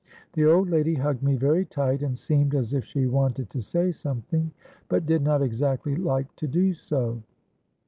The old lady hugged me very tight, and seemed as if she wanted to say something, but did not exactly like to do so.